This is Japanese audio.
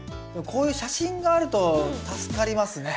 こういう写真があると助かりますね。